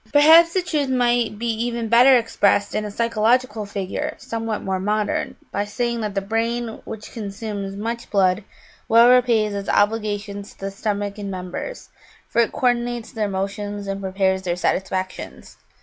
Perhaps the truth might be even better expressed in a physiological figure somewhat more modern, by saying that the brain, which consumes much blood, well repays its obligations to the stomach and members, for it co ordinates their motions and prepares their satisfactions.